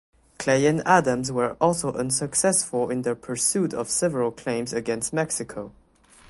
Clay and Adams were also unsuccessful in their pursuit of several claims against Mexico.